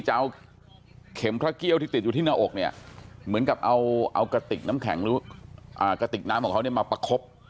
จะเอาเข็มพระเกี้ยวที่ติดอยู่ที่หน้าอกเนี่ยเหมือนกับเอากระติกน้ำแข็งหรือกระติกน้ำของเขาเนี่ยมาประคบ